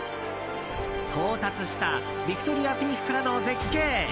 到達したビクトリア・ピークからの絶景。